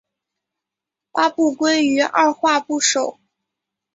八部归于二划部首。